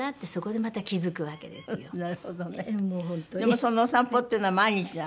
でもそのお散歩っていうのは毎日なの？